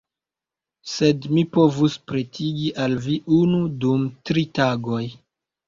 Sed mi povus pretigi al vi unu dum tri tagoj.